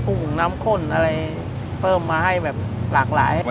ุ่งน้ำข้นอะไรเพิ่มมาให้แบบหลากหลาย